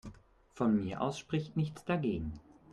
Von mir aus spricht nichts dagegen.